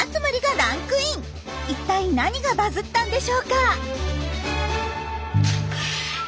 一体何がバズったんでしょうか？